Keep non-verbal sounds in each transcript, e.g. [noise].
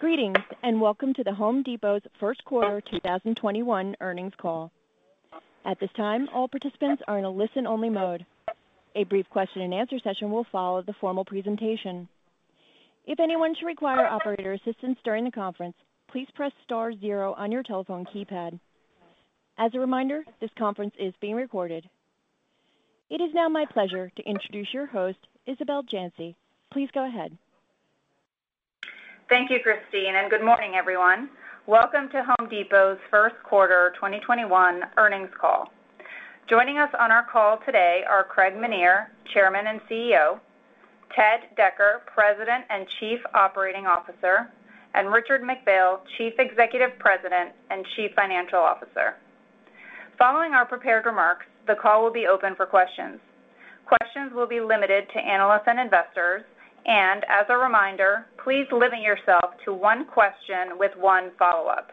Greetings, and welcome to The Home Depot's first quarter 2021 earnings call. At this time, all participants are in a listen-only mode. A brief question-and-answer session will follow the formal presentation. If anyone should require operator assistance during the conference, please press star zero on your telephone keypad. As a reminder, this conference is being recorded. It is now my pleasure to introduce your host, Isabel Janci. Please go ahead. Thank you, Christine. Good morning, everyone. Welcome to The Home Depot's first quarter 2021 earnings call. Joining us on our call today are Craig Menear, Chairman and CEO, Ted Decker, President and Chief Operating Officer, and Richard McPhail, Executive Vice President and Chief Financial Officer. Following our prepared remarks, the call will be open for questions. Questions will be limited to analysts and investors. As a reminder, please limit yourself to one question with one follow-up.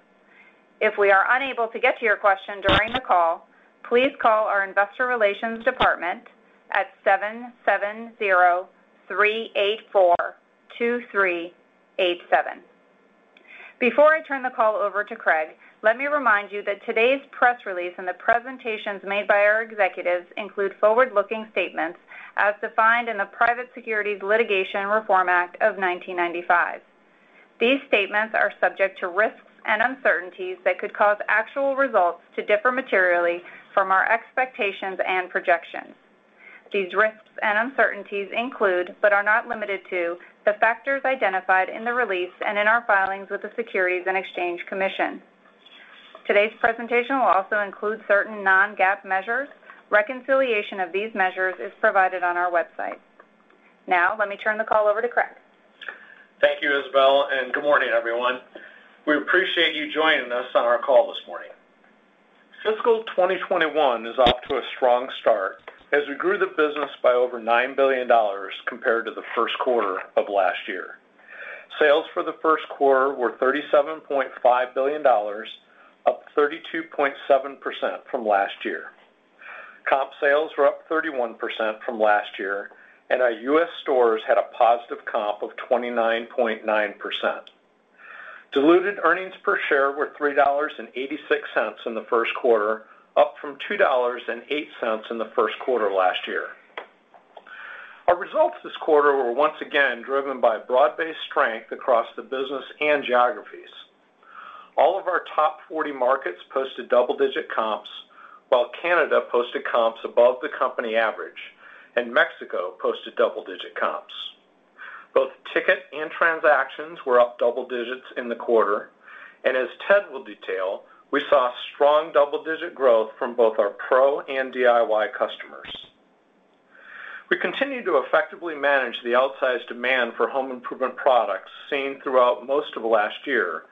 If we are unable to get to your question during the call, please call our investor relations department at seven seven zero three eight four two three eight seven. Before I turn the call over to Craig, let me remind you that today's press release and the presentations made by our executives include forward-looking statements as defined in the Private Securities Litigation Reform Act of 1995. These statements are subject to risks and uncertainties that could cause actual results to differ materially from our expectations and projections. These risks and uncertainties include, but are not limited to, the factors identified in the release and in our filings with the Securities and Exchange Commission. Today's presentation will also include certain non-GAAP measures. Reconciliation of these measures is provided on our website. Now, let me turn the call over to Craig. Thank you, Isabel. Good morning, everyone. We appreciate you joining us on our call this morning. Fiscal 2021 is off to a strong start as we grew the business by over $9 billion compared to the first quarter of last year. Sales for the first quarter were $37.5 billion, up 32.7% from last year. Comp sales were up 31% from last year. Our U.S. stores had a positive comp of 29.9%. Diluted earnings per share were $3.86 in the first quarter, up from $2.08 in the first quarter last year. Our results this quarter were once again driven by broad-based strength across the business and geographies. All of our top 40 markets posted double-digit comps, while Canada posted comps above the company average, and Mexico posted double-digit comps. Both ticket and transactions were up double digits in the quarter, and as Ted will detail, we saw strong double-digit growth from both our Pro and DIY customers. We continue to effectively manage the outsized demand for home improvement products seen throughout most of last year,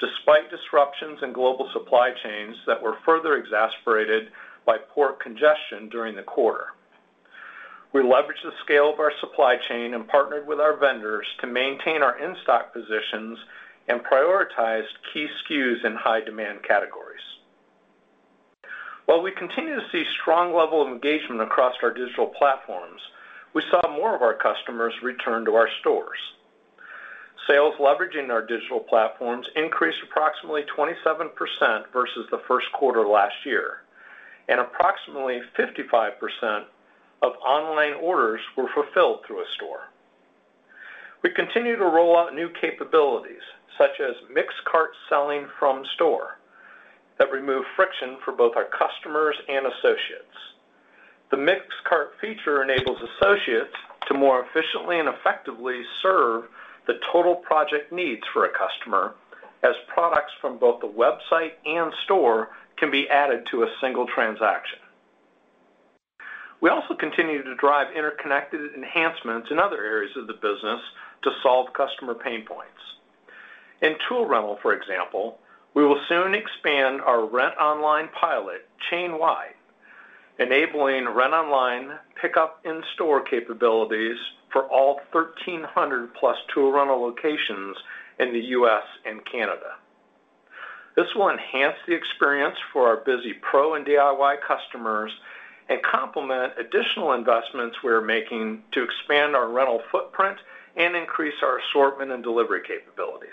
despite disruptions in global supply chains that were further exacerbated by port congestion during the quarter. We leveraged the scale of our supply chain and partnered with our vendors to maintain our in-stock positions and prioritized key SKUs in high-demand categories. While we continue to see strong level of engagement across our digital platforms, we saw more of our customers return to our stores. Sales leveraging our digital platforms increased approximately 27% versus the first quarter last year, and approximately 55% of online orders were fulfilled through a store. We continue to roll out new capabilities, such as mixed cart selling from store, that remove friction for both our customers and associates. The mixed cart feature enables associates to more efficiently and effectively serve the total project needs for a customer, as products from both the website and store can be added to a single transaction. We also continue to drive interconnected enhancements in other areas of the business to solve customer pain points. In tool rental, for example, we will soon expand our rent online pilot chain-wide, enabling rent online pickup in-store capabilities for all 1,300+ tool rental locations in the U.S. and Canada. This will enhance the experience for our busy Pro and DIY customers and complement additional investments we are making to expand our rental footprint and increase our assortment and delivery capabilities.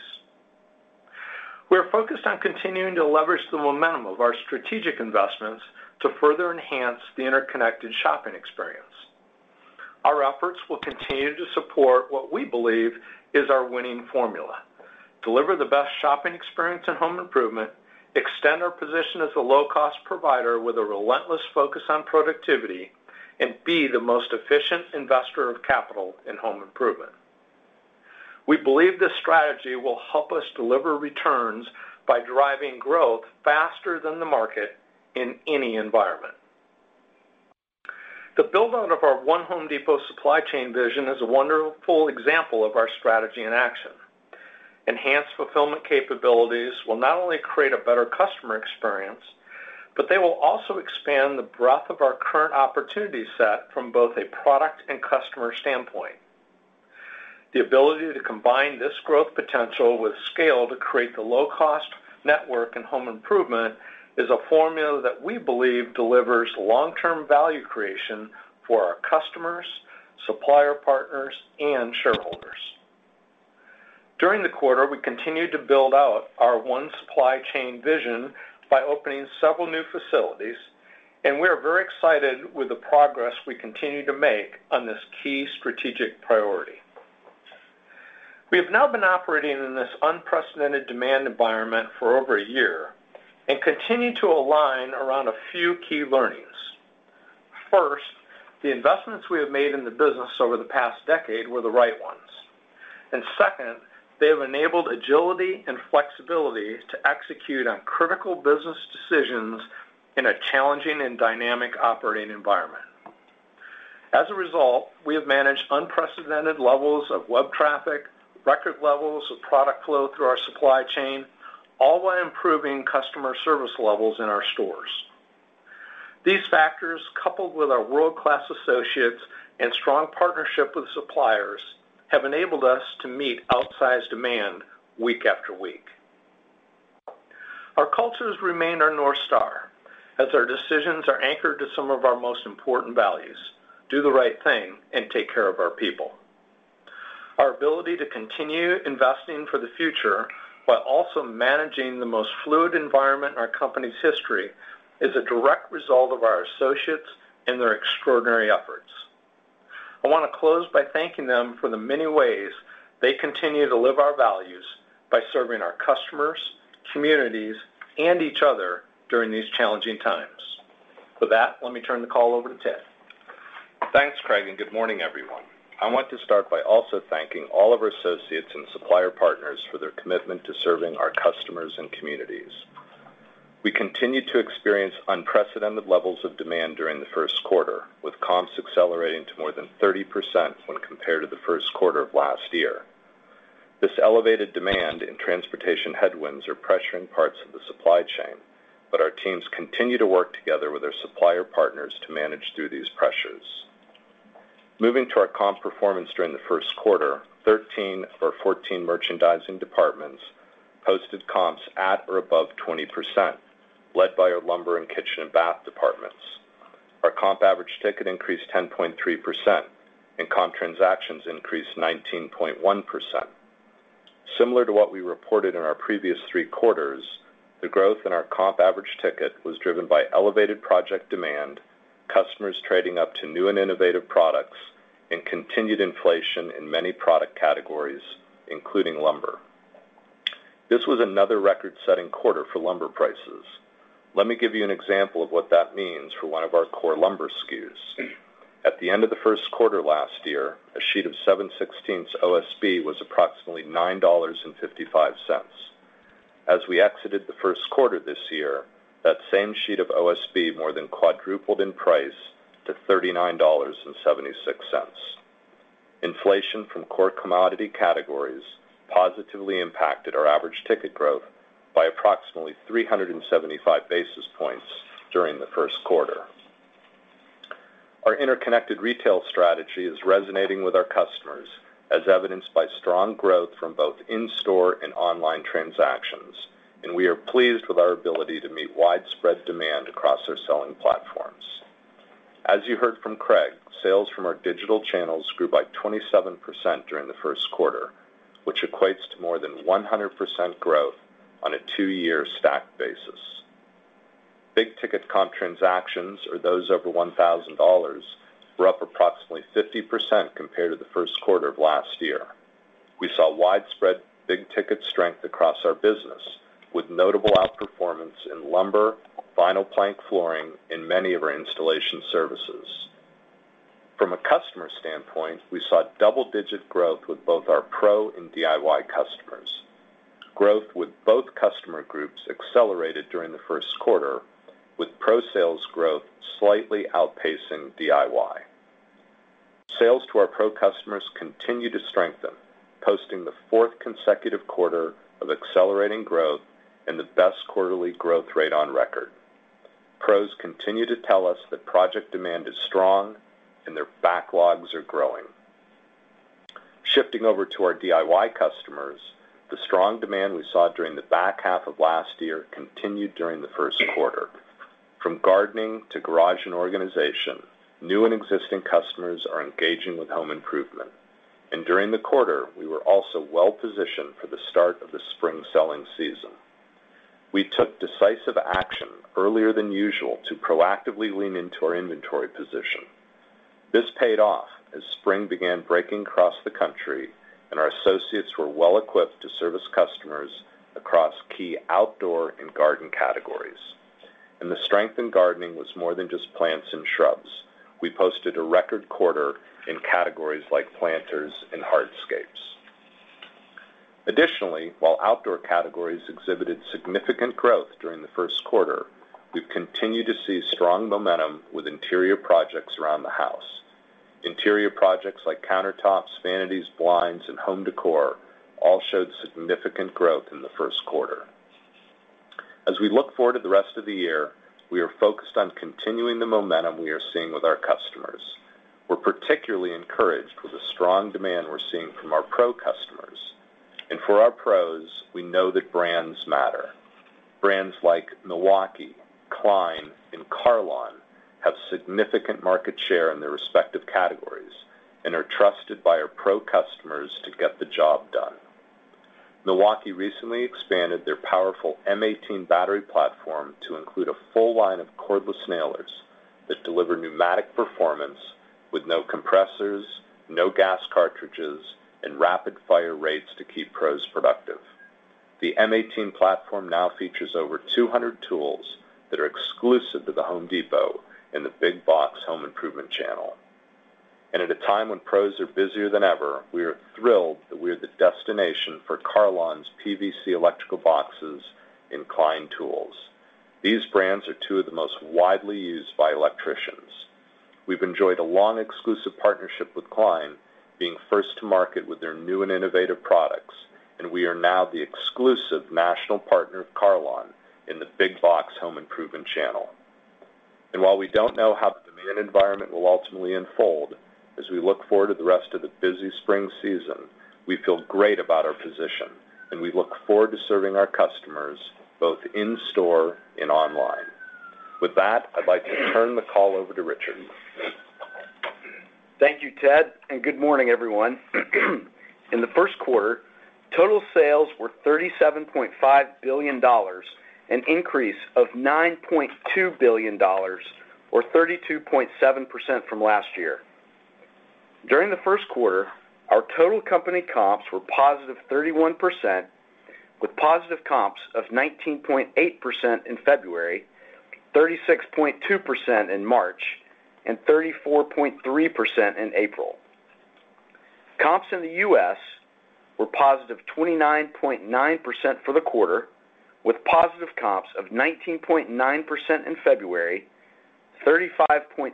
We're focused on continuing to leverage the momentum of our strategic investments to further enhance the interconnected shopping experience. Our efforts will continue to support what we believe is our winning formula, deliver the best shopping experience in home improvement, extend our position as a low-cost provider with a relentless focus on productivity, and be the most efficient investor of capital in home improvement. We believe this strategy will help us deliver returns by driving growth faster than the market in any environment. The build-out of our One Home Depot supply chain vision is a wonderful example of our strategy in action. Enhanced fulfillment capabilities will not only create a better customer experience, but they will also expand the breadth of our current opportunity set from both a product and customer standpoint. The ability to combine this growth potential with scale to create the low-cost network in home improvement is a formula that we believe delivers long-term value creation for our customers, supplier partners, and shareholders. During the quarter, we continued to build out our one supply chain vision by opening several new facilities, and we are very excited with the progress we continue to make on this key strategic priority. We have now been operating in this unprecedented demand environment for over a year and continue to align around a few key learnings. First, the investments we have made in the business over the past decade were the right ones. Second, they have enabled agility and flexibility to execute on critical business decisions in a challenging and dynamic operating environment. As a result, we have managed unprecedented levels of web traffic, record levels of product flow through our supply chain, all while improving customer service levels in our stores. These factors, coupled with our world-class associates and strong partnership with suppliers, have enabled us to meet outsized demand week after week. Our cultures remain our North Star, as our decisions are anchored to some of our most important values, do the right thing, and take care of our people. Our ability to continue investing for the future while also managing the most fluid environment in our company's history is a direct result of our associates and their extraordinary efforts. I want to close by thanking them for the many ways they continue to live our values by serving our customers, communities, and each other during these challenging times. With that, let me turn the call over to Ted. Thanks, Craig, and good morning, everyone. I want to start by also thanking all of our associates and supplier partners for their commitment to serving our customers and communities. We continued to experience unprecedented levels of demand during the first quarter, with comps accelerating to more than 30% when compared to the first quarter of last year. This elevated demand and transportation headwinds are pressuring parts of the supply chain, but our teams continue to work together with our supplier partners to manage through these pressures. Moving to our comp performance during the first quarter, 13 of our 14 merchandising departments posted comps at or above 20%, led by our lumber and kitchen and bath departments. Our comp average ticket increased 10.3%, and comp transactions increased 19.1%. Similar to what we reported in our previous three quarters, the growth in our comp average ticket was driven by elevated project demand, customers trading up to new and innovative products, and continued inflation in many product categories, including lumber. This was another record-setting quarter for lumber prices. Let me give you an example of what that means for one of our core lumber SKUs. At the end of the first quarter last year, a sheet of 7/16 OSB was approximately $9.55. As we exited the first quarter this year, that same sheet of OSB more than quadrupled in price to $39.76. Inflation from core commodity categories positively impacted our average ticket growth by approximately 375 basis points during the first quarter. Our interconnected retail strategy is resonating with our customers, as evidenced by strong growth from both in-store and online transactions. We are pleased with our ability to meet widespread demand across our selling platforms. As you heard from Craig, sales from our digital channels grew by 27% during the first quarter, which equates to more than 100% growth on a two-year stacked basis. Big ticket comp transactions, or those over $1,000, were up approximately 50% compared to the first quarter of last year. We saw widespread big ticket strength across our business, with notable outperformance in lumber, vinyl plank flooring, and many of our installation services. From a customer standpoint, we saw double-digit growth with both our Pro and DIY customers. Growth with both customer groups accelerated during the first quarter, with Pro sales growth slightly outpacing DIY. Sales to our Pro customers continue to strengthen, posting the fourth consecutive quarter of accelerating growth and the best quarterly growth rate on record. Pros continue to tell us that project demand is strong and their backlogs are growing. Shifting over to our DIY customers, the strong demand we saw during the back half of last year continued during the first quarter. From gardening to garage and organization, new and existing customers are engaging with home improvement. During the quarter, we were also well-positioned for the start of the spring selling season. We took decisive action earlier than usual to proactively lean into our inventory position. This paid off as spring began breaking across the country, and our associates were well-equipped to service customers across key outdoor and garden categories. The strength in gardening was more than just plants and shrubs. We posted a record quarter in categories like planters and hardscapes. Additionally, while outdoor categories exhibited significant growth during the first quarter, we continue to see strong momentum with interior projects around the house. Interior projects like countertops, vanities, blinds, and home décor all showed significant growth in the first quarter. As we look forward to the rest of the year, we are focused on continuing the momentum we are seeing with our customers. We're particularly encouraged with the strong demand we're seeing from our Pro customers. For our Pros, we know that brands matter. Brands like Milwaukee, Klein, and Carlon have significant market share in their respective categories and are trusted by our Pro customers to get the job done. Milwaukee recently expanded their powerful M18 battery platform to include a full line of cordless nailers that deliver pneumatic performance with no compressors, no gas cartridges, and rapid fire rates to keep pros productive. The M18 platform now features over 200 tools that are exclusive to The Home Depot in the big box home improvement channel. At a time when Pros are busier than ever, we are thrilled that we are the destination for Carlon's PVC electrical boxes and Klein Tools. These brands are two of the most widely used by electricians. We've enjoyed a long exclusive partnership with Klein, being first to market with their new and innovative products, and we are now the exclusive national partner of Carlon in the big box home improvement channel. While we don't know how the demand environment will ultimately unfold, as we look forward to the rest of the busy spring season, we feel great about our position, and we look forward to serving our customers both in-store and online. With that, I'd like to turn the call over to Richard. Thank you, Ted, and good morning, everyone. In the first quarter, total sales were $37.5 billion, an increase of $9.2 billion, or 32.7% from last year. During the first quarter, our total company comps were positive 31%, with positive comps of 19.8% in February, 36.2% in March, and 34.3% in April. Comps in the U.S. were +29.9% for the quarter, with positive comps of 19.9% in February, 35.6%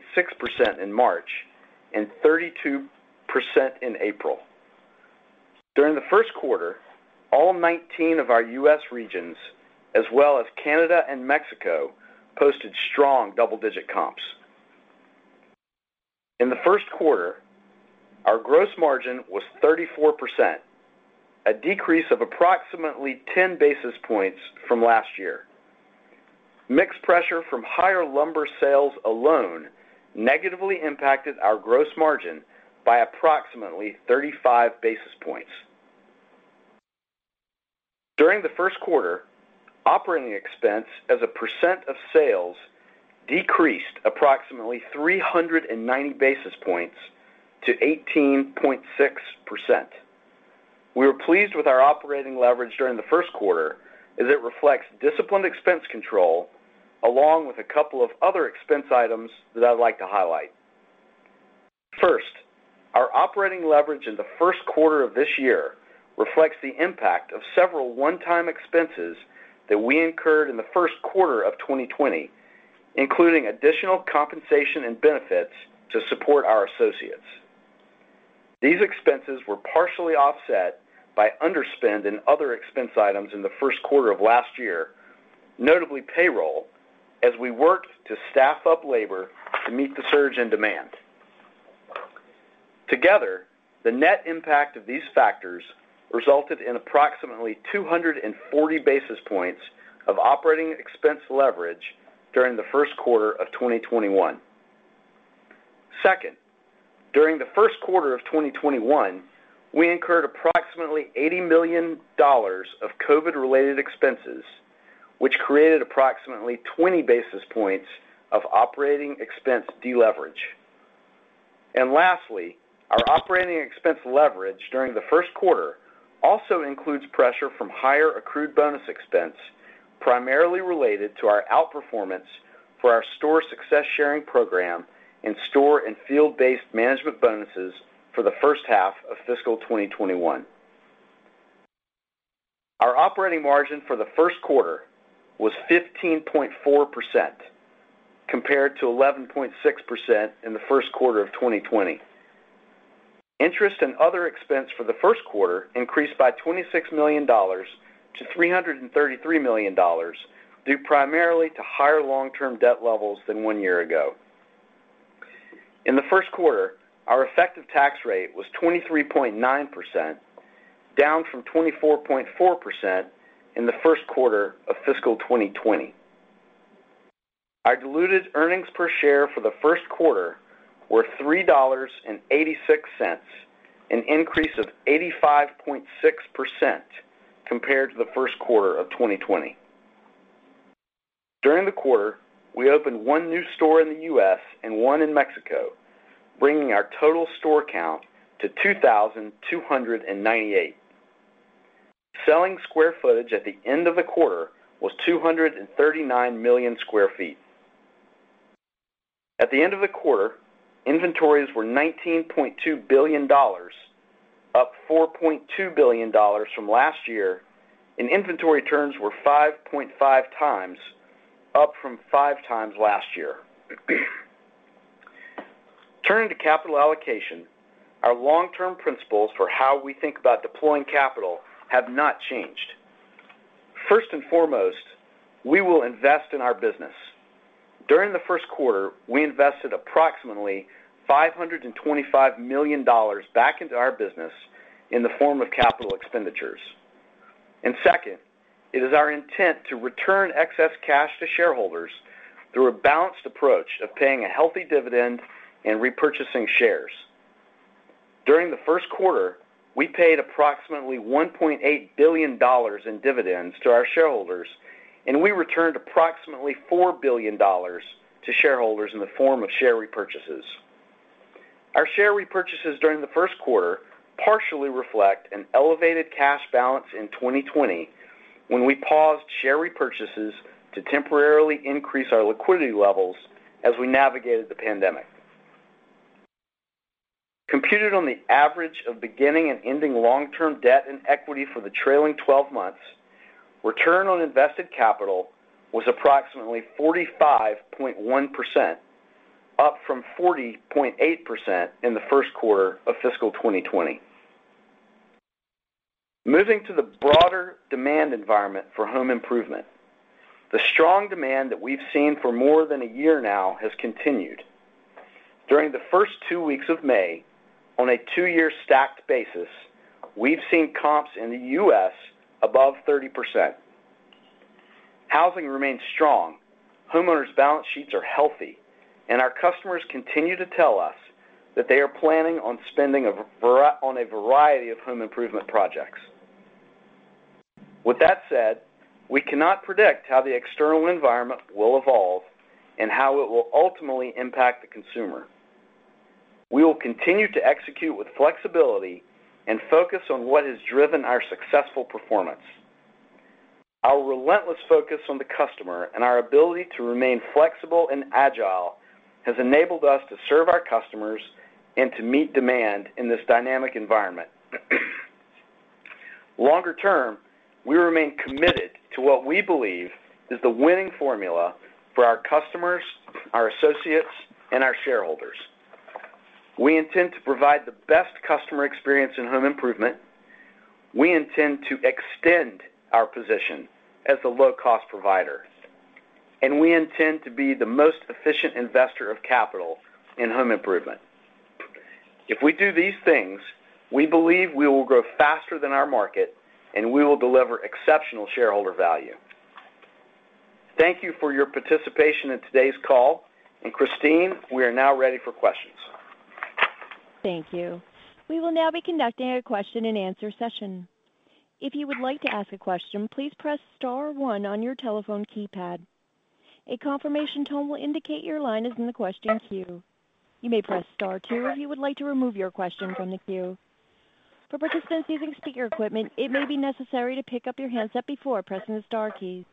in March, and 32% in April. During the first quarter, all 19 of our U.S. regions, as well as Canada and Mexico, posted strong double-digit comps. In the first quarter, our gross margin was 34%, a decrease of approximately 10 basis points from last year. Mix pressure from higher lumber sales alone negatively impacted our gross margin by approximately 35 basis points. During the first quarter, operating expense as a percent of sales decreased approximately 309 basis points to 18.6%. We are pleased with our operating leverage during the first quarter, as it reflects disciplined expense control, along with a couple of other expense items that I'd like to highlight. First, our operating leverage in the first quarter of this year reflects the impact of several one-time expenses that we incurred in the first quarter of 2020, including additional compensation and benefits to support our associates. These expenses were partially offset by underspend and other expense items in the first quarter of last year, notably payroll, as we worked to staff up labor to meet the surge in demand. Together, the net impact of these factors resulted in approximately 240 basis points of operating expense leverage during the first quarter of 2021. Second, during the first quarter of 2021, we incurred approximately $80 million of COVID-related expenses, which created approximately 20 basis points of operating expense deleverage. Lastly, our operating expense leverage during the first quarter also includes pressure from higher accrued bonus expense, primarily related to our outperformance for our store Success Sharing Program and store and field-based management bonuses for the first half of fiscal 2021. Our operating margin for the first quarter was 15.4%, compared to 11.6% in the first quarter of 2020. Interest and other expense for the first quarter increased by $26 million-$333 million, due primarily to higher long-term debt levels than one year ago. In the first quarter, our effective tax rate was 23.9%, down from 24.4% in the first quarter of fiscal 2020. Our diluted earnings per share for the first quarter were $3.86, an increase of 85.6% compared to the first quarter of 2020. During the quarter, we opened one new store in the U.S. and one in Mexico, bringing our total store count to 2,298. Selling square footage at the end of the quarter was 239,000,000 sq ft. At the end of the quarter, inventories were $19.2 billion, up $4.2 billion from last year, and inventory turns were 5.5 times, up from five times last year. Turning to capital allocation, our long-term principles for how we think about deploying capital have not changed. First and foremost, we will invest in our business. During the first quarter, we invested approximately $525 million back into our business in the form of capital expenditures. Second, it is our intent to return excess cash to shareholders through a balanced approach of paying a healthy dividend and repurchasing shares. During the first quarter, we paid approximately $1.8 billion in dividends to our shareholders, and we returned approximately $4 billion to shareholders in the form of share repurchases. Our share repurchases during the first quarter partially reflect an elevated cash balance in 2020, when we paused share repurchases to temporarily increase our liquidity levels as we navigated the pandemic. Computed on the average of beginning and ending long-term debt and equity for the trailing 12 months, return on invested capital was approximately 45.1%, up from 40.8% in the first quarter of fiscal 2020. Moving to the broader demand environment for home improvement, the strong demand that we've seen for more than a year now has continued. During the first two weeks of May, on a two year stacked basis, we've seen comps in the U.S. above 30%. Housing remains strong, homeowners' balance sheets are healthy, and our customers continue to tell us that they are planning on spending on a variety of home improvement projects. With that said, we cannot predict how the external environment will evolve and how it will ultimately impact the consumer. We will continue to execute with flexibility and focus on what has driven our successful performance. Our relentless focus on the customer and our ability to remain flexible and agile has enabled us to serve our customers and to meet demand in this dynamic environment. Longer term, we remain committed to what we believe is the winning formula for our customers, our associates, and our shareholders. We intend to provide the best customer experience in home improvement, we intend to extend our position as the low-cost provider, and we intend to be the most efficient investor of capital in home improvement. If we do these things, we believe we will grow faster than our market and we will deliver exceptional shareholder value. Thank you for your participation in today's call. Christine, we are now ready for questions. Thank you. We will now be conducting a question and answer session. If you would like to ask a question, please press star one on your telephone keypad. A confirmation tone will indicate your line is in the question queue. You may press star two if you would like to remove your question from the queue. For participants using speaker equipment, it may be necessary to pick up your handset before pressing the star key.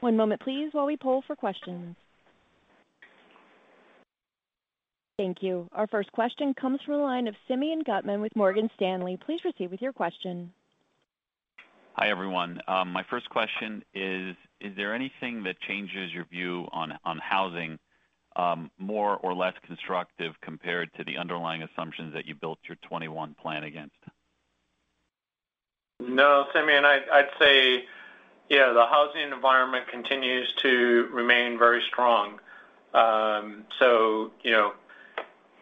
One moment please while we poll for questions. Thank you. Our first question comes from the line of Simeon Gutman with Morgan Stanley. Please proceed with your question. Hi, everyone. My first question is there anything that changes your view on housing, more or less constructive compared to the underlying assumptions that you built your 2021 plan against? No, Simeon, I'd say, the housing environment continues to remain very strong.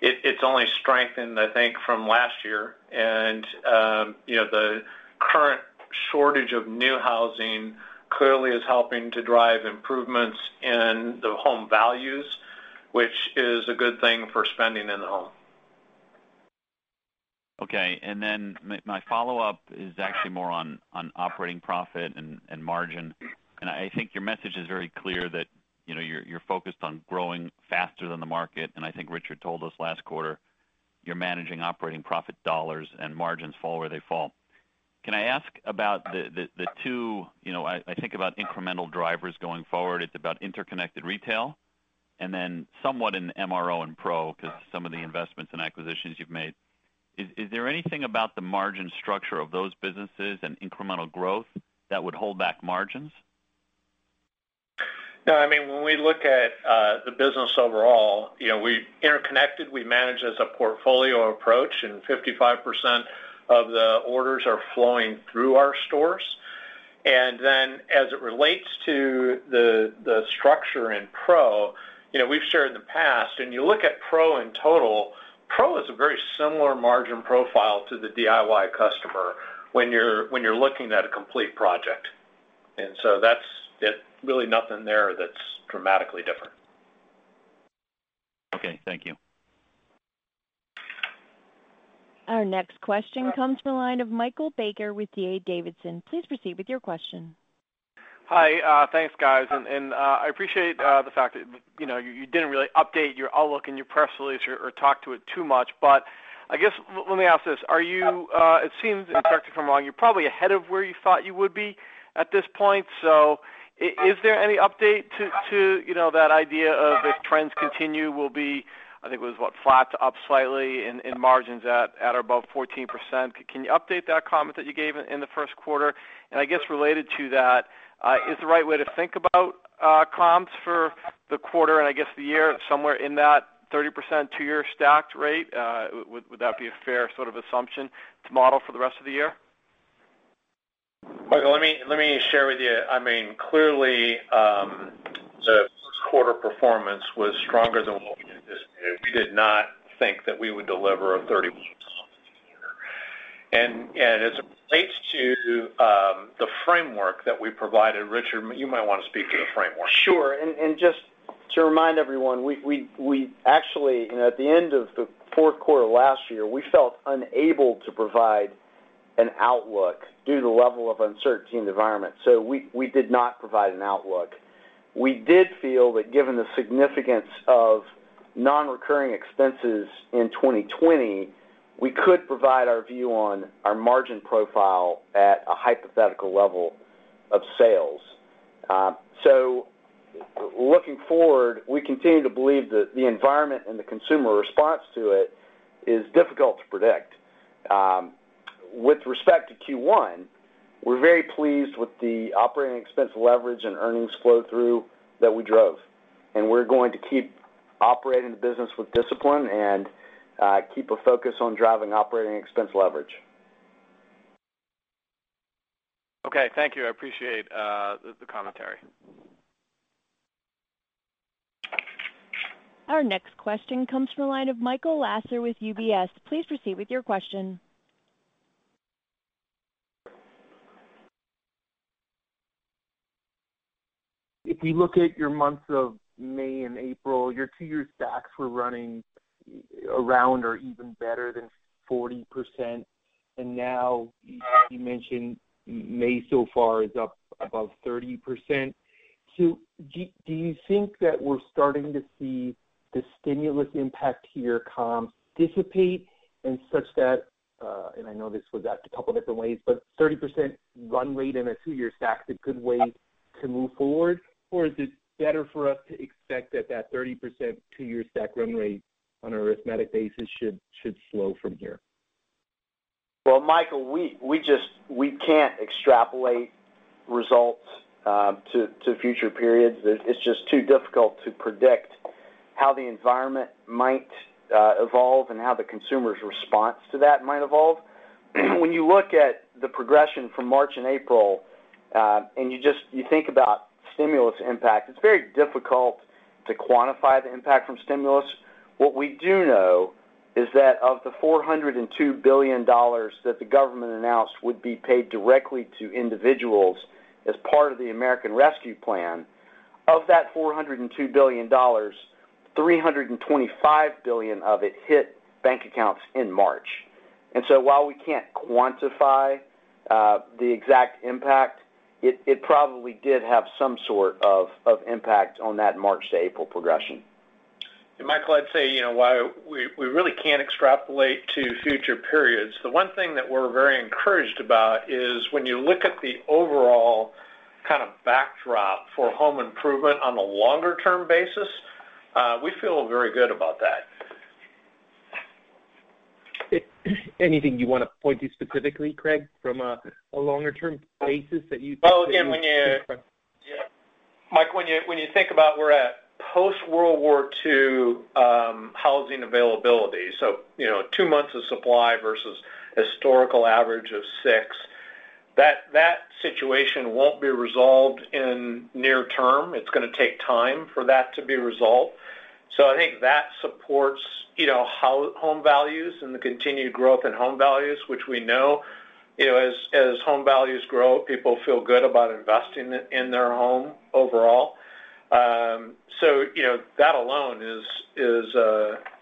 It's only strengthened, I think, from last year. The current shortage of new housing clearly is helping to drive improvements in the home values, which is a good thing for spending in the home. Okay. My follow-up is actually more on operating profit and margin. I think your message is very clear that you're focused on growing faster than the market, and I think Richard told us last quarter, you're managing operating profit dollars and margins fall where they fall. Can I ask about the two, I think about incremental drivers going forward, it's about interconnected retail, and then somewhat in MRO and Pro because some of the investments and acquisitions you've made. Is there anything about the margin structure of those businesses and incremental growth that would hold back margins? No, when we look at the business overall, Interconnected we manage as a portfolio approach, and 55% of the orders are flowing through our stores. As it relates to the structure in Pro, we've shared in the past, when you look at Pro in total, Pro has a very similar margin profile to the DIY customer when you're looking at a complete project. That's really nothing there that's dramatically different. Okay, thank you. Our next question comes from the line of Michael Baker with D.A. Davidson. Please proceed with your question. Hi, thanks guys. I appreciate the fact that you didn't really update your outlook in your press release or talk to it too much. I guess, let me ask this, it seems, and correct me if I'm wrong, you're probably ahead of where you thought you would be at this point. Is there any update to that idea of if trends continue, we'll be, I think it was, what, flat to up slightly in margins at above 14%? Can you update that comment that you gave in the first quarter? I guess related to that, is the right way to think about comps for the quarter and I guess the year somewhere in that 30% two year stacked rate? Would that be a fair sort of assumption to model for the rest of the year? Michael, let me share with you. Clearly, the first quarter performance was stronger than what- We did not think that we would deliver a 30% here. As it relates to the framework that we provided, Richard, you might want to speak to the framework. Sure. Just to remind everyone, actually, at the end of the fourth quarter last year, we felt unable to provide an outlook due to the level of uncertain environment. We did not provide an outlook. We did feel that given the significance of non-recurring expenses in 2020, we could provide our view on our margin profile at a hypothetical level of sales. Looking forward, we continue to believe that the environment and the consumer response to it is difficult to predict. With respect to Q1, we're very pleased with the operating expense leverage and earnings flow-through that we drove, and we're going to keep operating the business with discipline and keep a focus on driving operating expense leverage. Okay. Thank you. I appreciate the commentary. Our next question comes from the line of Michael Lasser with UBS. Please proceed with your question. If you look at your months of May and April, your two-year stacks were running around or even better than 40%, and now you mentioned May so far is up above 30%. Do you think that we're starting to see the stimulus impact to your comps dissipate in such that, and I know this was at a couple different ways, but 30% run rate in a two-year stack is a good way to move forward? Is it better for us to expect that that 30% two-year stack run rate on a arithmetic basis should slow from here? Michael, we can't extrapolate results to future periods. It's just too difficult to predict how the environment might evolve and how the consumer's response to that might evolve. When you look at the progression from March and April, and you think about stimulus impact, it's very difficult to quantify the impact from stimulus. What we do know is that of the $402 billion that the government announced would be paid directly to individuals as part of the American Rescue Plan, of that $402 billion, $325 billion of it hit bank accounts in March. While we can't quantify the exact impact, it probably did have some sort of impact on that March to April progression. Michael, I'd say, while we really can't extrapolate to future periods, the one thing that we're very encouraged about is when you look at the overall kind of backdrop for home improvement on a longer term basis, we feel very good about that. Anything you want to point to specifically, Craig, from a longer term basis that you think? Well, again, Mike, when you think about we're at post-World War II housing availability, two months of supply versus historical average of six, that situation won't be resolved in near term. It's going to take time for that to be resolved. I think that supports home values and the continued growth in home values, which we know. As home values grow, people feel good about investing in their home overall. That alone is,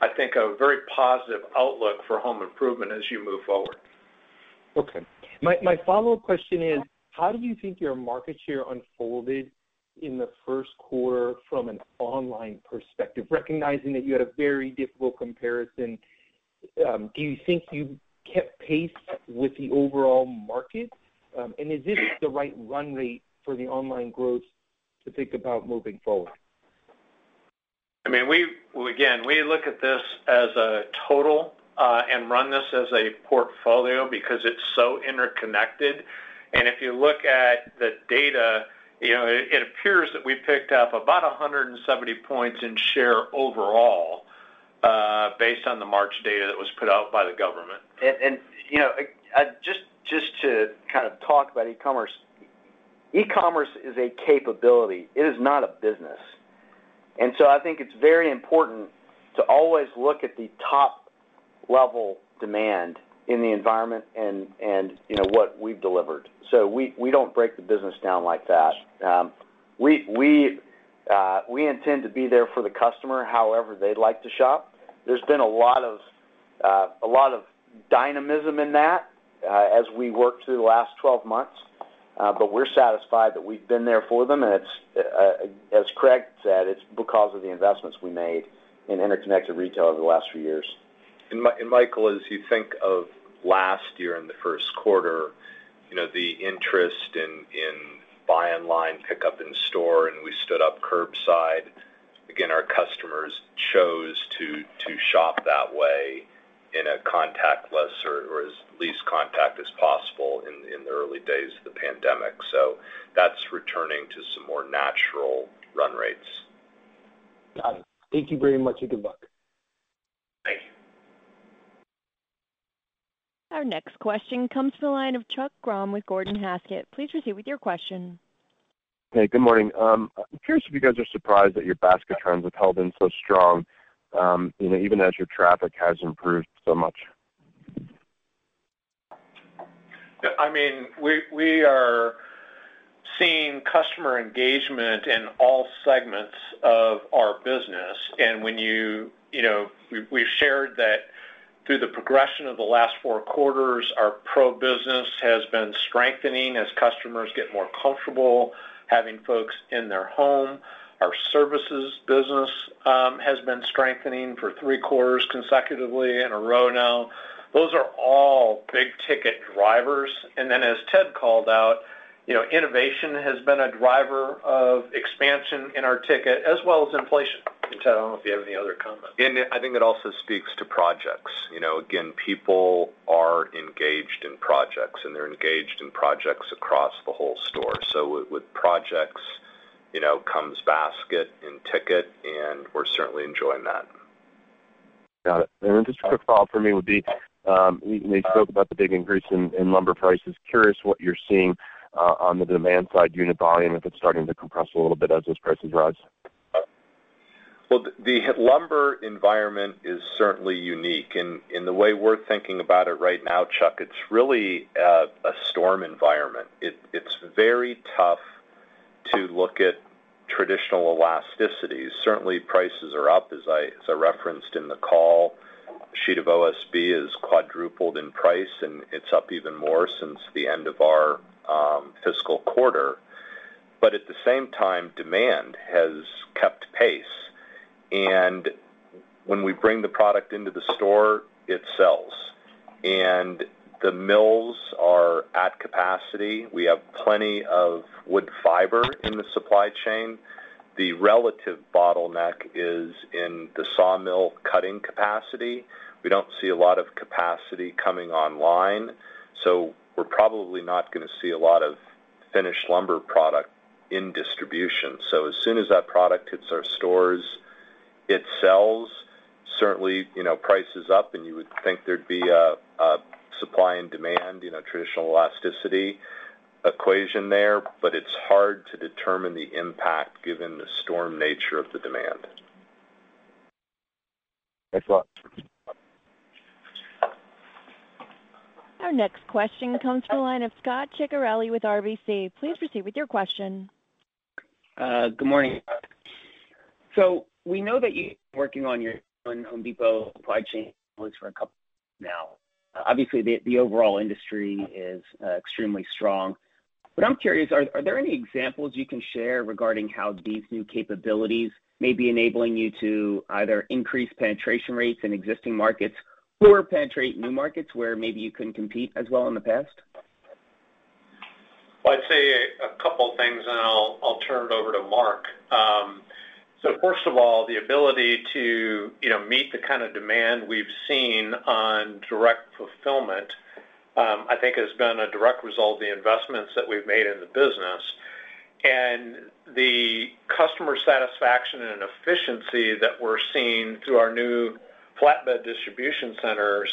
I think, a very positive outlook for home improvement as you move forward. Okay. My follow-up question is, how do you think your market share unfolded in the first quarter from an online perspective? Recognizing that you had a very difficult comparison, do you think you kept pace with the overall market? Is this the right run rate for the online growth to think about moving forward? We look at this as a total, and run this as a portfolio because it's so interconnected. If you look at the data, it appears that we picked up about 170 points in share overall, based on the March data that was put out by the government. Just to kind of talk about e-commerce, e-commerce is a capability. It is not a business. I think it's very important to always look at the top level demand in the environment and what we've delivered. We don't break the business down like that. We intend to be there for the customer, however they like to shop. There's been a lot of dynamism in that as we work through the last 12 months. We're satisfied that we've been there for them, and as Craig said, it's because of the investments we made in interconnected retail over the last few years. Michael, as you think of last year in the first quarter, the interest in buy online, pick up in store, and we stood up curbside. Again, our customers chose to shop that way in a contactless or as least contact as possible in the early days of the pandemic. That's returning to some more natural run rates. Got it. Thank you very much. Good luck. Our next question comes to the line of Chuck Grom with Gordon Haskett. Please proceed with your question. Hey, good morning. Curious if you guys are surprised that your basket trends have held in so strong even as your traffic has improved so much? We are seeing customer engagement in all segments of our business. We've shared that through the progression of the last four quarters, our Pro business has been strengthening as customers get more comfortable having folks in their home. Our services business has been strengthening for three quarters consecutively in a row now. Those are all big-ticket drivers. As Ted called out, innovation has been a driver of expansion in our ticket as well as inflation. Do you have any other comments? I think it also speaks to projects. Again, people are engaged in projects, and they're engaged in projects across the whole store. With projects, comes basket and ticket, and we're certainly enjoying that. Got it. Then just a quick follow-up for me would be, you spoke about the big increase in lumber prices. Curious what you're seeing on the demand side unit volume, if it's starting to compress a little bit as those prices rise? Well, the lumber environment is certainly unique. The way we're thinking about it right now, Chuck, it's really a storm environment. It's very tough to look at traditional elasticity. Certainly, prices are up, as I referenced in the call. A sheet of OSB has quadrupled in price, and it's up even more since the end of our fiscal quarter. At the same time, demand has kept pace. When we bring the product into the store, it sells. The mills are at capacity. We have plenty of wood fiber in the supply chain. The relative bottleneck is in the sawmill cutting capacity. We don't see a lot of capacity coming online, so we're probably not going to see a lot of finished lumber product in distribution. As soon as that product hits our stores, it sells. Certainly, prices up, and you would think there'd be a supply and demand, traditional elasticity equation there, but it's hard to determine the impact given the storm nature of the demand. Thanks a lot. Our next question comes to the line of Scot Ciccarelli with RBC. Please proceed with your question. Good morning. We know that you're working on your own Home Depot supply chain for a couple years now. Obviously, the overall industry is extremely strong. I'm curious, are there any examples you can share regarding how these new capabilities may be enabling you to either increase penetration rates in existing markets or penetrate new markets where maybe you couldn't compete as well in the past? Well, I'd say a couple of things. I'll turn it over to Mark. First of all, the ability to meet the kind of demand we've seen on direct fulfillment, I think has been a direct result of the investments that we've made in the business. The customer satisfaction and efficiency that we're seeing through our new flatbed distribution centers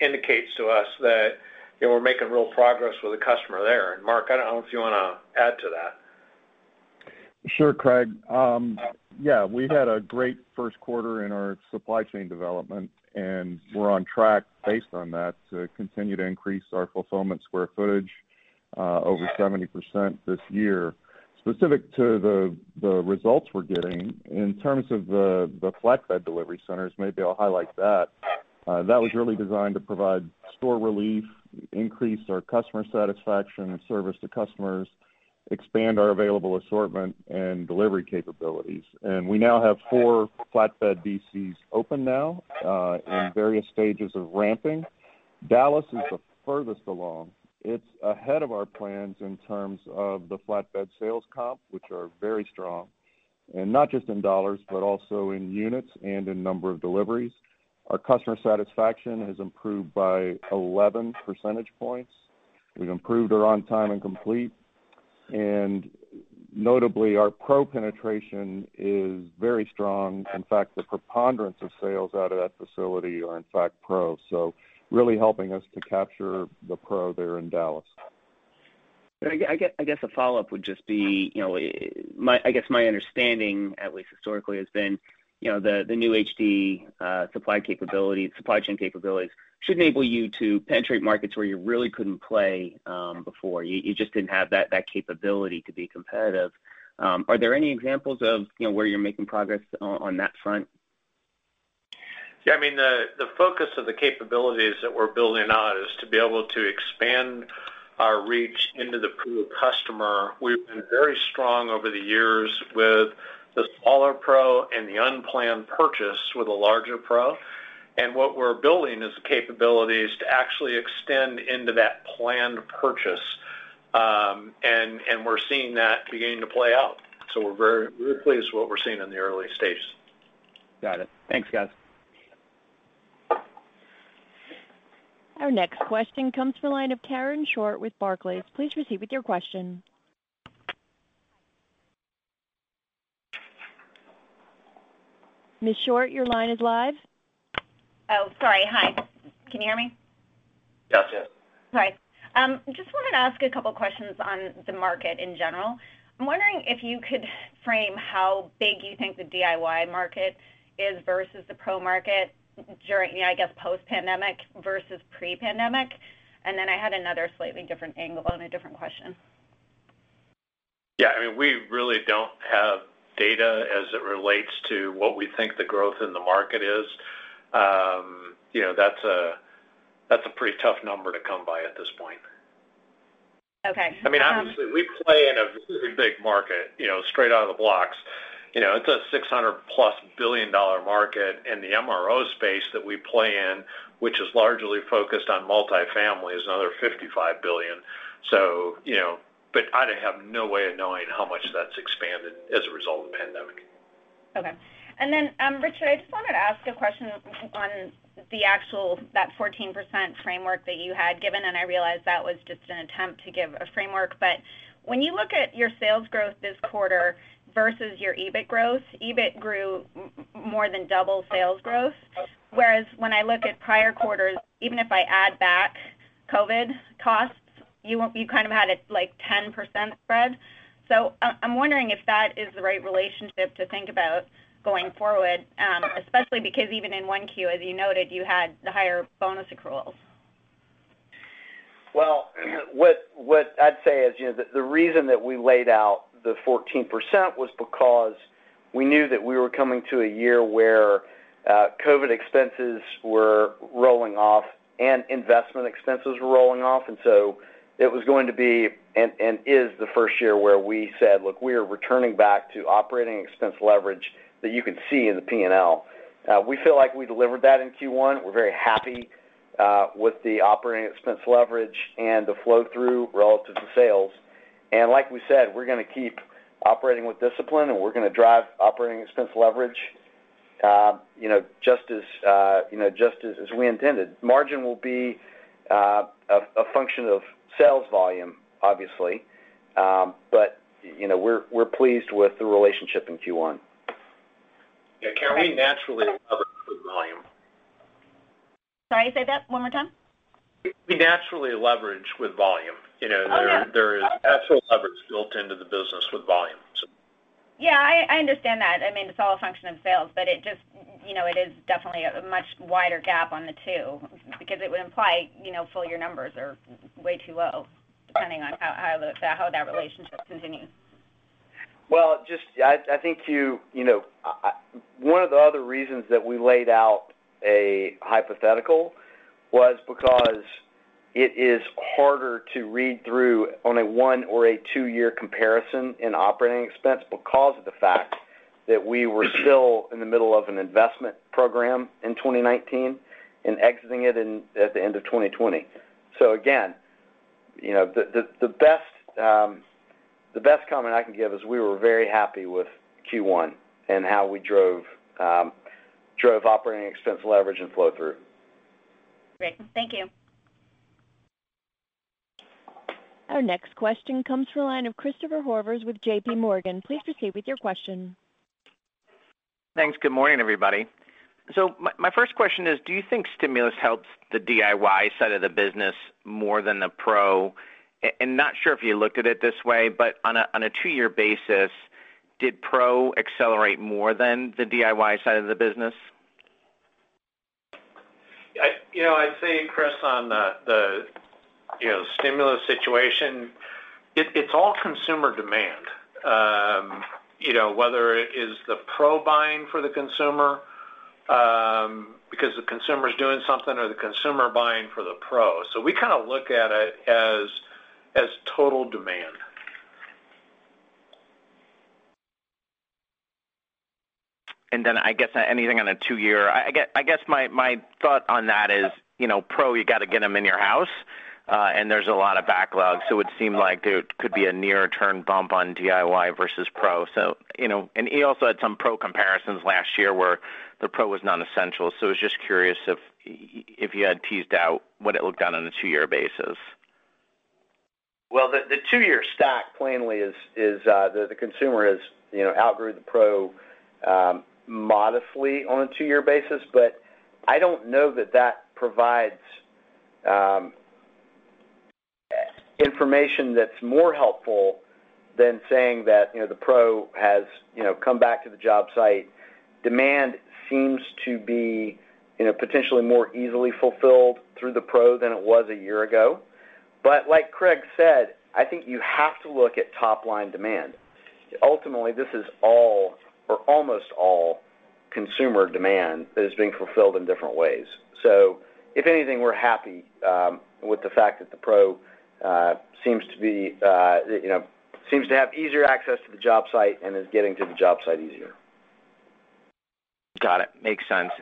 indicates to us that we're making real progress with the customer there. Mark, I don't know if you want to add to that. Sure, Craig. Yeah, we had a great first quarter in our supply chain development. We're on track based on that to continue to increase our fulfillment square footage over 70% this year. Specific to the results we're getting in terms of the flatbed delivery centers, maybe I'll highlight that. That was really designed to provide store relief, increase our customer satisfaction and service to customers, expand our available assortment and delivery capabilities. We now have four flatbed DCs open now in various stages of ramping. Dallas is the furthest along. It's ahead of our plans in terms of the flatbed sales comp, which are very strong, and not just in dollars, but also in units and in number of deliveries. Our customer satisfaction has improved by 11 percentage points. We've improved our on-time and complete, and notably, our Pro penetration is very strong. The preponderance of sales out of that facility are in fact Pro, so really helping us to capture the Pro there in Dallas. I guess a follow-up would just be, I guess my understanding, at least historically, has been the new HD supply chain capabilities should enable you to penetrate markets where you really couldn't play before. You just didn't have that capability to be competitive. Are there any examples of where you're making progress on that front? Yeah, the focus of the capabilities that we're building out is to be able to expand our reach into the Pro customer. We've been very strong over the years with the smaller Pro and the unplanned purchase with a larger Pro. What we're building is capabilities to actually extend into that planned purchase, and we're seeing that beginning to play out. We're very pleased with what we're seeing in the early stages. Got it. Thanks, guys. Our next question comes to the line of Karen Short with Barclays. Please proceed with your question. Ms. Short, your line is live. Oh, sorry. Hi. Can you hear me? Gotcha. Hi. Just wanted to ask a couple questions on the market in general. I'm wondering if you could frame how big you think the DIY market is versus the Pro market during, I guess, post-pandemic versus pre-pandemic. I had another slightly different angle on a different question. Yeah. We really don't have data as it relates to what we think the growth in the market is. That's a pretty tough number to come by at this point. Okay. Honestly, we play in a really big market, straight out of the blocks. It's a $600+ billion market, and the MRO space that we play in, which is largely focused on multifamily, is another $55 billion. I have no way of knowing how much that's expanded as a result of the pandemic. Okay. Richard, I just wanted to ask a question on the actual 14% framework that you had given, I realize that was just an attempt to give a framework. When you look at your sales growth this quarter versus your EBIT growth, EBIT grew more than double sales growth. Whereas when I look at prior quarters, even if I add back COVID costs, you probably had a 10% spread. I'm wondering if that is the right relationship to think about going forward, especially because even in Q1, as you noted, you had higher bonus accruals. Well, what I'd say is the reason that we laid out the 14% was because we knew that we were coming to a year where COVID expenses were rolling off and investment expenses were rolling off. It was going to be, and is the first year where we said, look, we are returning back to operating expense leverage that you can see in the P&L. We feel like we delivered that in Q1. We're very happy with the operating expense leverage and the flow-through relative to sales. Like we said, we're going to keep operating with discipline, and we're going to drive operating expense leverage just as we intended. Margin will be a function of sales volume, obviously, but we're pleased with the relationship in Q1. Karen- We naturally leverage with volume. Sorry, say that one more time. We naturally leverage with volume. Got it. There is natural leverage built into the business with volume. Yeah, I understand that. It's all a function of sales, but it is definitely a much wider gap on the two because it would imply full year numbers are way too low depending on how the relationship continues. I think one of the other reasons that we laid out a hypothetical was because it is harder to read through on a one or a two-year comparison in operating expense because of the fact that we were still in the middle of an investment program in 2019 and exiting it at the end of 2020. Again, the best comment I can give is we were very happy with Q1 and how we drove operating expense leverage and flow-through. Great. Thank you. Our next question comes from the line of Christopher Horvers with JPMorgan. Please proceed with your question. Thanks. Good morning, everybody. My first question is, do you think stimulus helps the DIY side of the business more than the Pro? Not sure if you look at it this way, but on a two-year basis, did Pro accelerate more than the DIY side of the business? I'd say, Chris, on the stimulus situation, it's all consumer demand, whether it is the Pro buying for the consumer because the consumer's doing something or the consumer buying for the Pro. We kind of look at it as total demand. I guess anything on a two-year, I guess my thought on that is, Pro, you got to get them in your house, and there's a lot of backlogs, so it seemed like there could be a near-term bump on DIY versus Pro. He also had some Pro comparisons last year where the Pro was non-essential. I was just curious if you had teased out what it looked on a two-year basis. Well, the two-year stack plainly is the consumer has outgrown the Pro modestly on a two-year basis. I don't know that that provides information that's more helpful than saying that the Pro has come back to the job site. Demand seems to be potentially more easily fulfilled through the Pro than it was a year ago. Like Craig said, I think you have to look at top-line demand. Ultimately, this is all or almost all consumer demand that is being fulfilled in different ways. If anything, we're happy with the fact that the Pro seems to have easier access to the job site and is getting to the job site easier. Got it. Makes sense.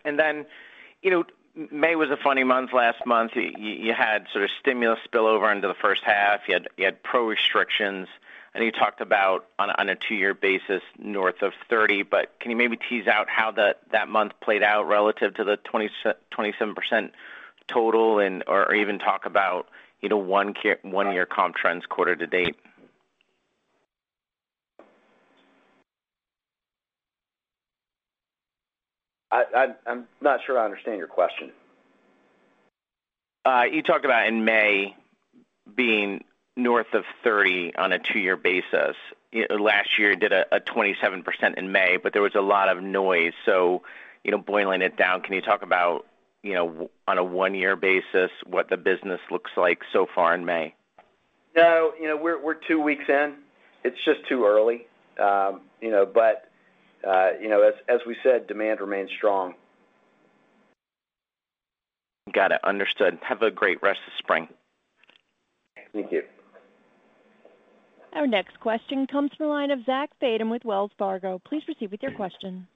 May was a funny month last month. You had sort of stimulus spill over into the first half. You had Pro restrictions, and you talked about on a two-year basis north of 30%, but can you maybe tease out how that month played out relative to the 27% total, or even talk about one-year comp trends quarter-to-date? I'm not sure I understand your question. You talk about in May being north of 30% on a two-year basis. Last year did a 27% in May, but there was a lot of noise. Boiling it down, can you talk about, on a one-year basis, what the business looks like so far in May? No, we're two weeks in. It's just too early. As we said, demand remains strong. Got it. Understood. Have a great rest of Spring. You too. Our next question comes from the line of Zach Fadem with Wells Fargo. Please proceed with your question.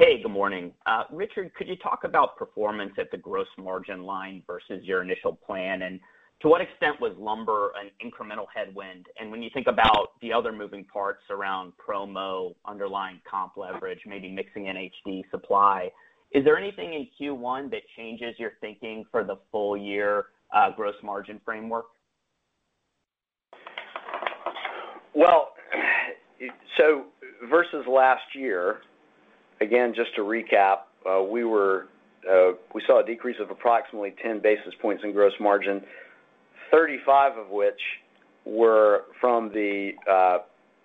Hey, good morning. Richard, could you talk about performance at the gross margin line versus your initial plan? To what extent was lumber an incremental headwind? When you think about the other moving parts around promo, underlying comp leverage, maybe mixing HD Supply, is there anything in Q1 that changes your thinking for the full year gross margin framework? Versus last year, again, just to recap, we saw a decrease of approximately 10 basis points in gross margin, 35 of which were from the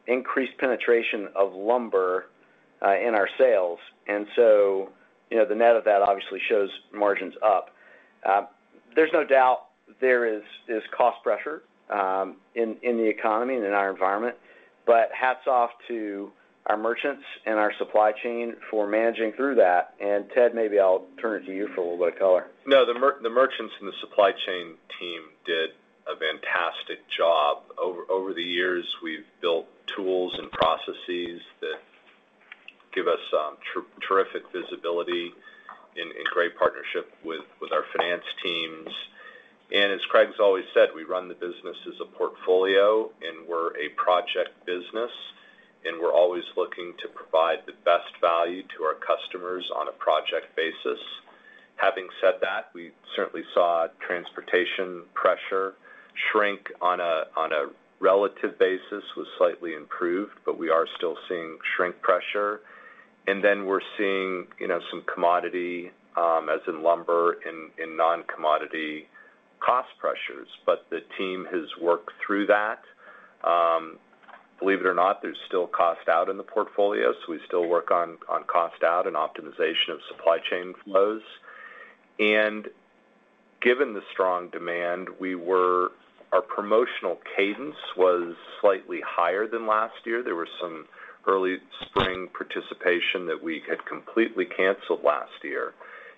increased penetration of lumber in our sales. The net of that obviously shows margins up. There's no doubt there is cost pressure in the economy and in our environment, but hats off to our merchants and our supply chain for managing through that. Ted, maybe I'll turn it to you for a little bit of color. No, the merchants and the supply chain team did a fantastic job. Over the years, we've built tools and processes that give us terrific visibility and great partnership with our finance teams. As Craig has always said, we run the business as a portfolio and we're a project business, and we're always looking to provide the best value to our customers on a project basis. Having said that, we certainly saw transportation pressure shrink on a relative basis was slightly improved, but we are still seeing shrink pressure. We're seeing some commodity, as in lumber and non-commodity cost pressures. The team has worked through that. Believe it or not, there's still cost out in the portfolio, so we still work on cost out and optimization of supply chain flows. Given the strong demand, our promotional cadence was slightly higher than last year. There was some early spring participation that we had completely canceled last year.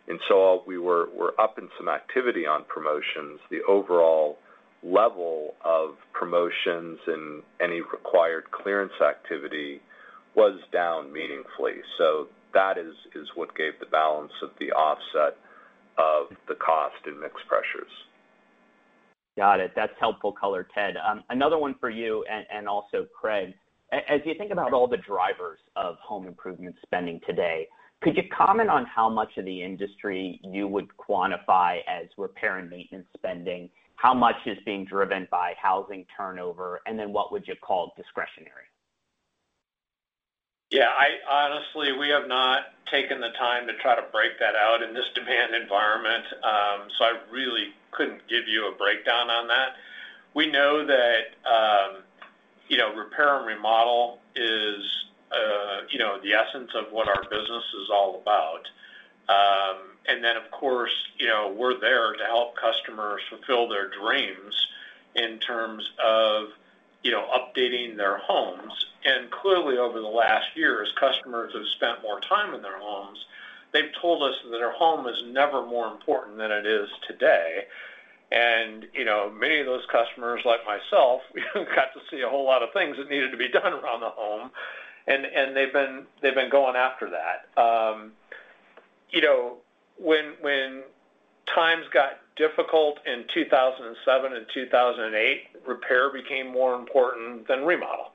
We're up in some activity on promotions. The overall level of promotions and any required clearance activity was down meaningfully. That is what gave the balance of the offset of the cost and mix pressures. Got it. That's helpful color, Ted. Another one for you and also Craig. As you think about all the drivers of home improvement spending today, could you comment on how much of the industry you would quantify as repair and maintenance spending? How much is being driven by housing turnover, and then what would you call discretionary? Yeah, honestly, we have not taken the time to try to break that out in this demand environment. I really couldn't give you a breakdown on that. We know that repair and remodel is the essence of what our business is all about. Of course, we're there to help customers fulfill their dreams in terms of updating their homes. Clearly, over the last year, as customers have spent more time in their homes, they've told us that their home is never more important than it is today. Many of those customers, like myself, got to see a whole lot of things that needed to be done around the home, and they've been going after that. When times got difficult in 2007 and 2008, repair became more important than remodel.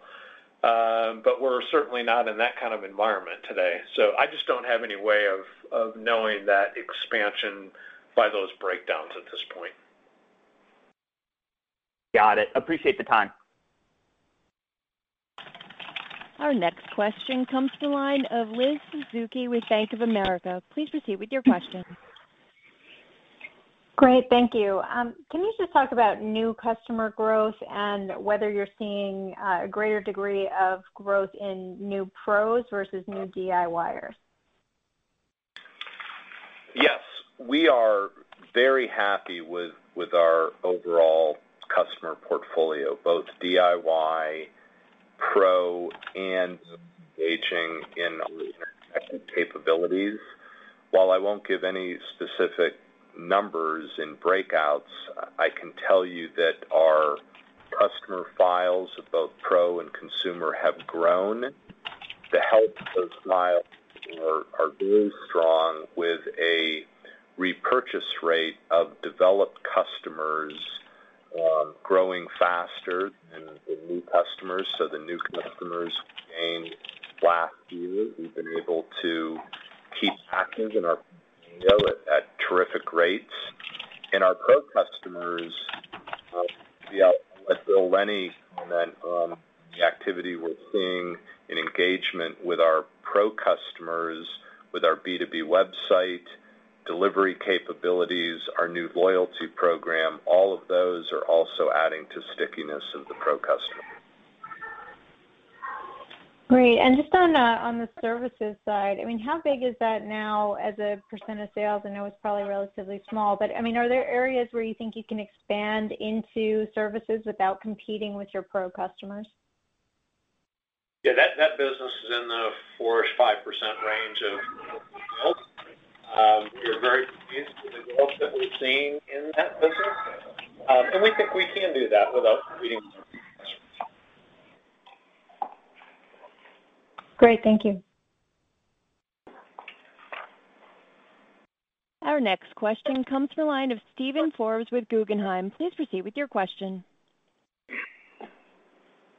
We're certainly not in that kind of environment today. I just don't have any way of knowing that expansion by those breakdowns at this point. Got it. Appreciate the time. Our next question comes to the line of Liz Suzuki with Bank of America. Please proceed with your question. Great. Thank you. Can we just talk about new customer growth and whether you're seeing a greater degree of growth in new Pros versus new DIYers? Yes. We are very happy with our overall customer portfolio, both DIY, Pro, and those engaging in our professional capabilities. While I won't give any specific numbers and breakouts, I can tell you that our customer files, both Pro and consumer, have grown. The health of those files are really strong with a repurchase rate of developed customers growing faster than the new customers. The new customers gained last year, we've been able to keep active in our portfolio at terrific rates. In our Pro customers, [inaudible] the activity we're seeing in engagement with our Pro customers, with our B2B website, delivery capabilities, our new loyalty program, all of those are also adding to stickiness of the Pro customer. Great. Just on the services side, how big is that now as a percent of sales? I know it's probably relatively small, but are there areas where you think you can expand into services without competing with your Pro customers? Yeah, that business is in the 4% or 5% range of total. We are very pleased with the growth that we're seeing in that business. We think we can do that without competing- Great. Thank you. Our next question comes from the line of Steven Forbes with Guggenheim. Please proceed with your question.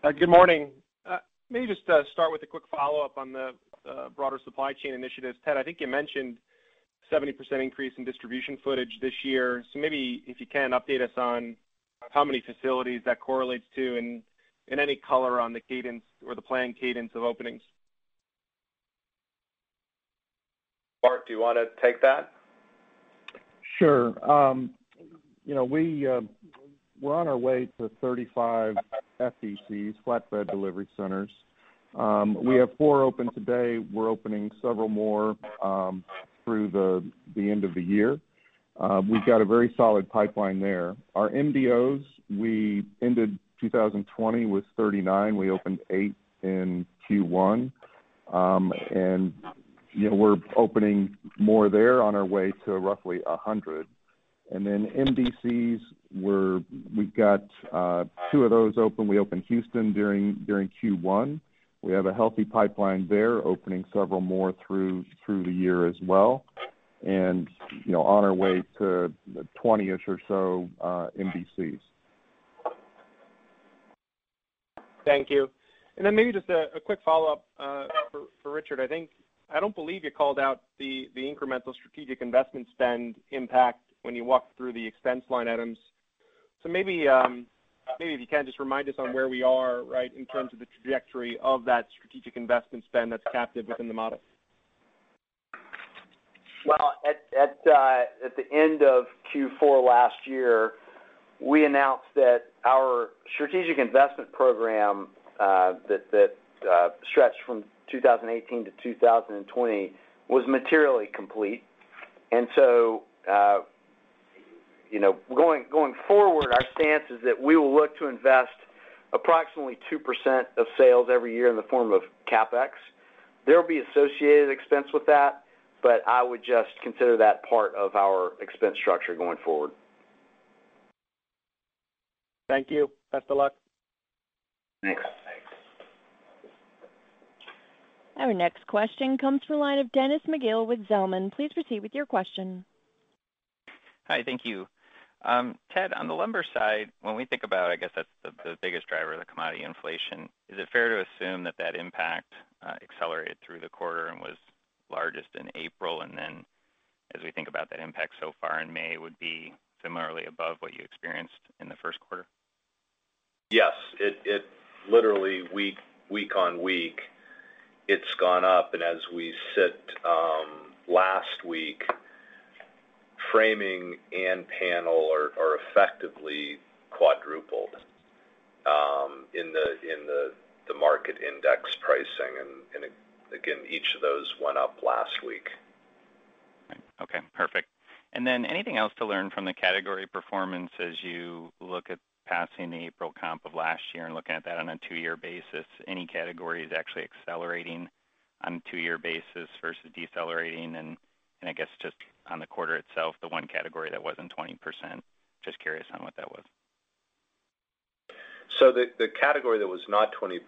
Good morning. Maybe just to start with a quick follow-up on the broader supply chain initiatives. Ted, I think you mentioned a 70% increase in distribution footage this year. Maybe, if you can, update us on how many facilities that correlates to and any color on the cadence or the planned cadence of openings. Mark, do you want to take that? Sure. We're on our way to 35 FDCs, flatbed delivery centers. We have four open today. We're opening several more through the end of the year. We've got a very solid pipeline there. Our MDOs, we ended 2020 with 39. We opened eight in Q1. We're opening more there on our way to roughly 100. MDCs, we've got two of those open. We opened Houston during Q1. We have a healthy pipeline there, opening several more through the year as well, and on our way to 20-ish or so MDCs. Thank you. Maybe just a quick follow-up for Richard, I think. I don't believe you called out the incremental strategic investment spend impact when you walked through the expense line items. Maybe, if you can, just remind us on where we are, in terms of the trajectory of that strategic investment spend that's captive within the model. Well, at the end of Q4 last year, we announced that our strategic investment program, that stretched from 2018 to 2020, was materially complete. Going forward, our stance is that we will look to invest approximately 2% of sales every year in the form of CapEx. There'll be associated expense with that, but I would just consider that part of our expense structure going forward. Thank you. Best of luck. Thanks. Our next question comes from the line of Dennis McGill with Zelman. Please proceed with your question. Hi. Thank you. Ted, on the lumber side, when we think about it, I guess that's the biggest driver of the commodity inflation. Is it fair to assume that that impact accelerated through the quarter and was largest in April? As we think about the impact so far in May, would be similarly above what you experienced in the first quarter? Yes. Literally week-on-week, it's gone up. As we sit last week, framing and panel are effectively quadrupled in the market index pricing. Again, each of those went up last week. Okay, perfect. Then anything else to learn from the category performance as you look at passing the April comp of last year and looking at that on a two year basis? Any category that's actually accelerating on a two year basis versus decelerating? I guess just on the quarter itself, the one category that was in 20%, just curious on what that was? The category that was not 20%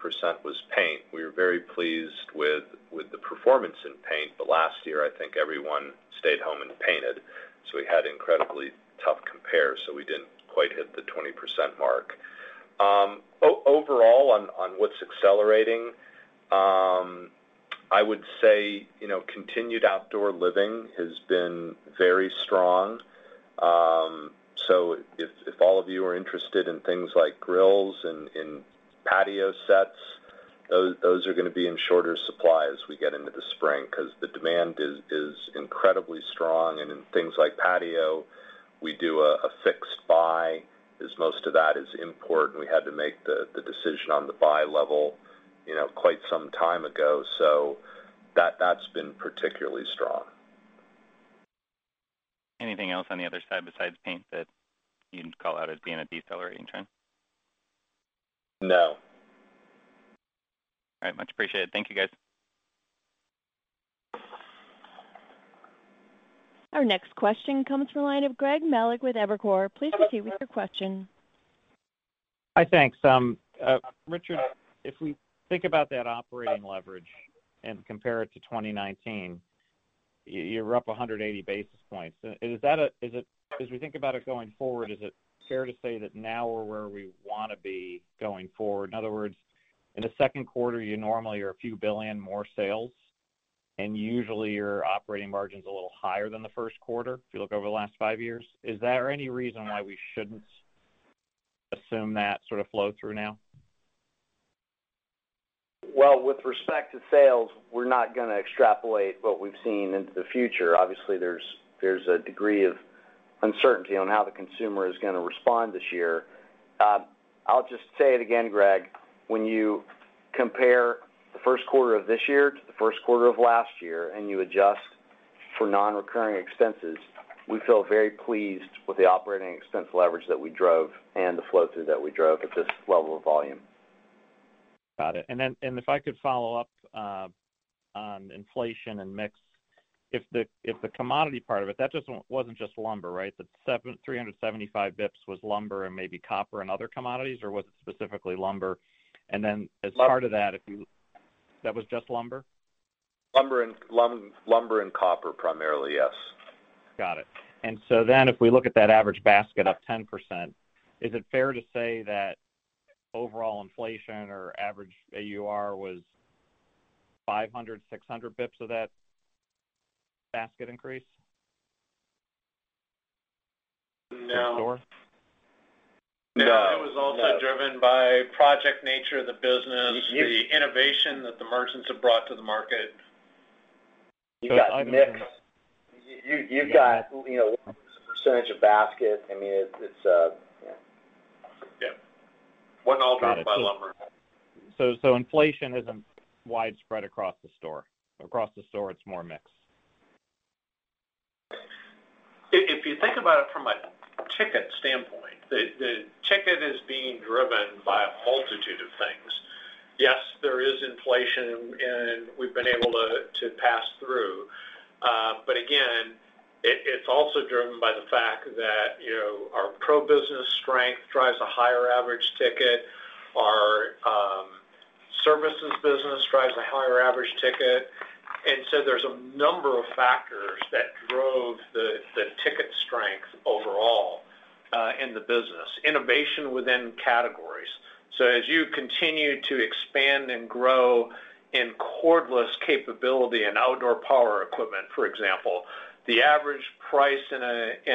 was paint. We were very pleased with the performance in paint. Last year, I think everyone stayed home and painted, so we had incredibly tough compares, so we didn't quite hit the 20% mark. Overall, on what's accelerating, I would say, continued outdoor living has been very strong. If all of you are interested in things like grills and patio sets, those are going to be in shorter supply as we get into the spring, because the demand is incredibly strong. In things like patio, we do a fixed buy, as most of that is import, and we had to make the decision on the buy level quite some time ago, so that's been particularly strong. Anything else on the other side besides paint that you'd call out as being a decelerating trend? No. All right. Much appreciated. Thank you, guys. Our next question comes from the line of Greg Melich with Evercore. Please proceed with your question. Hi, thanks. Richard, if we think about that operating leverage and compare it to 2019, you're up 180 basis points. We think about it going forward, is it fair to say that now we're where we want to be going forward? In other words, in the second quarter, you normally are a few billion more sales, and usually your operating margin's a little higher than the first quarter, if you look over the last five years. Is there any reason why we shouldn't assume that sort of flow-through now? Well, with respect to sales, we're not going to extrapolate what we've seen into the future. Obviously, there's a degree of uncertainty on how the consumer is going to respond this year. I'll just say it again, Greg, when you compare the first quarter of this year to the first quarter of last year and you adjust for non-recurring expenses, we feel very pleased with the operating expense leverage that we drove and the flow-through that we drove at this level of volume. Got it. If I could follow up on inflation and mix. If the commodity part of it, that wasn't just lumber, right? The 375 basis points was lumber and maybe copper and other commodities, or was it specifically lumber? And then as part of that was just lumber? Lumber and copper primarily, yes. Got it. If we look at that average basket up 10%, is it fair to say that overall inflation or average AUR was 500, 600 basis points of that basket increase across stores? No. That was also driven by project nature of the business, the innovation that the merchants have brought to the market. You've got mix. You've got a percentage of basket. Yeah. Wasn't all driven by lumber. Inflation isn't widespread across the store. Across the store, it's more mix. If you think about it from a ticket standpoint, the ticket is being driven by a multitude of things. Yes, there is inflation, and we've been able to pass through. Again, it's also driven by the fact that our Pro business strength drives a higher average ticket. Our services business drives a higher average ticket. There's a number of factors that drove the ticket strength overall in the business. Innovation within categories. As you continue to expand and grow in cordless capability and outdoor power equipment, for example, the average price in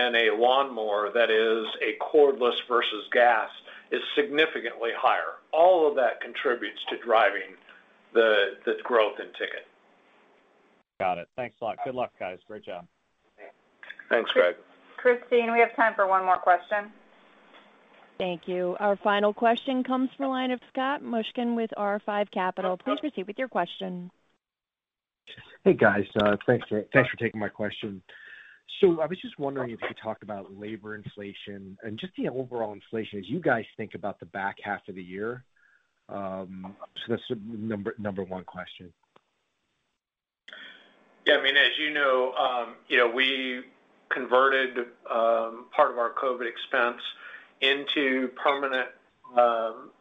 a lawnmower that is cordless versus gas is significantly higher. All of that contributes to driving the growth in ticket. Got it. Thanks a lot. Good luck, guys. Great job. Thanks, Greg. Christine, we have time for one more question. Thank you. Our final question comes from the line of Scott Mushkin with R5 Capital. Please proceed with your question. Hey, guys. Thanks for taking my question. I was just wondering if you could talk about labor inflation and just the overall inflation as you guys think about the back half of the year. That's the number one question. Yeah, I mean, as you know, we converted part of our COVID expense into permanent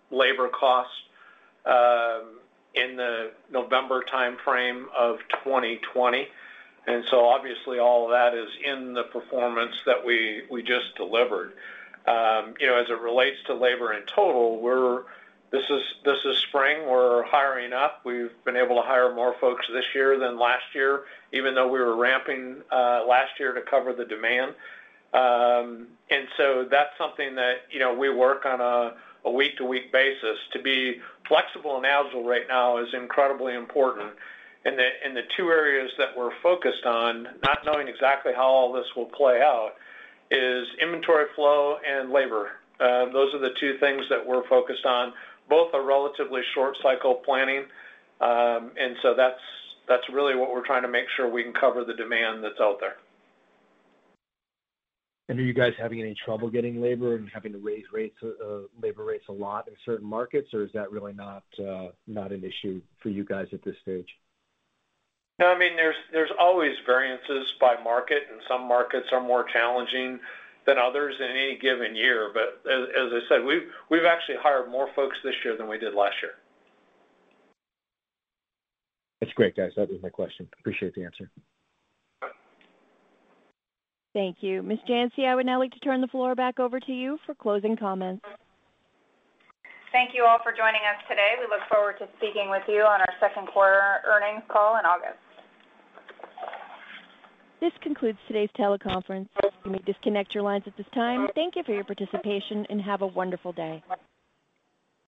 labor cost in the November timeframe of 2020. Obviously all of that is in the performance that we just delivered. As it relates to labor in total, this is spring, we're hiring up. We've been able to hire more folks this year than last year, even though we were ramping last year to cover the demand. That's something that we work on a week-to-week basis. To be flexible and agile right now is incredibly important. The two areas that we're focused on, not knowing exactly how all this will play out, is inventory flow and labor. Those are the two things that we're focused on. Both are relatively short cycle planning, that's really what we're trying to make sure we can cover the demand that's out there. Are you guys having any trouble getting labor? Are you having to raise labor rates a lot in certain markets, or is that really not an issue for you guys at this stage? No, I mean, there's always variances by market, and some markets are more challenging than others in any given year. As I said, we've actually hired more folks this year than we did last year. That's great, guys. That was my question. Appreciate the answer. Thank you. Ms. Janci, I would now like to turn the floor back over to you for closing comments. Thank you all for joining us today. We look forward to speaking with you on our second quarter earnings call in August. This concludes today's teleconference. You may disconnect your lines at this time. Thank you for your participation, and have a wonderful day.